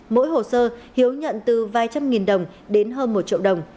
mỗi hồ sơ hiếu nhận từ vài trăm nghìn đồng đến hơn một triệu đồng